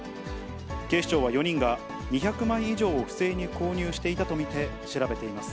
警視庁は４人が２００枚以上を不正に購入していたと見て調べています。